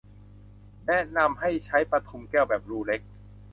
แนะนำให้ใช้ปทุมแก้วแบบรูเล็ก